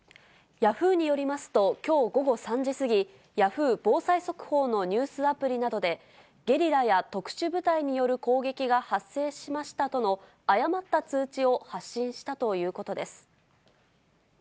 ヤフーによりますと、きょう午後３時過ぎ、ヤフー防災速報のニュースアプリなどで、ゲリラや特殊部隊による攻撃が発生しましたとの、誤った通知を発信したということです。